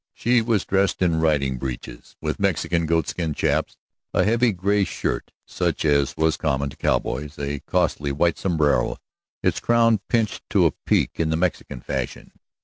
She was dressed in riding breeches, with Mexican goatskin chaps, a heavy gray shirt such as was common to cowboys, a costly white sombrero, its crown pinched to a peak in the Mexican fashion.